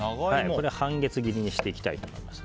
半月切りにしていきたいと思います。